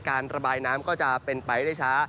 ระบายน้ำก็จะเป็นไปได้ช้า